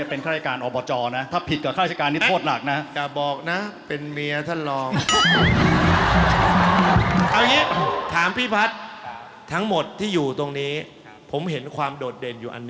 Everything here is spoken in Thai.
สิบสองจุดเจ็ดสองกระหลัดครับผมโอ้โหถือว่าใหญ่มากอ่ะน่ะ